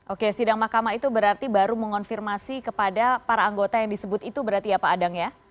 oke sidang mahkamah itu berarti baru mengonfirmasi kepada para anggota yang disebut itu berarti ya pak adang ya